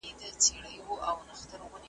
نه له شیخه څوک ډاریږي نه غړومبی د محتسب وي .